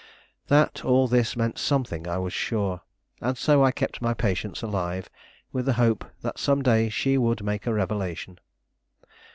That all this meant something, I was sure; and so I kept my patience alive with the hope that some day she would make a revelation.